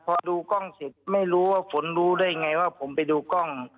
พอดูกล้องเสร็จไม่รู้ว่าฝนรู้ได้ยังไงว่าผมไปดูกล้อง